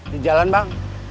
di jalan bang